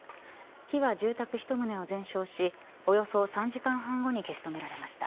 火は住宅一棟を全焼しおよそ３時間半後に消し止められました。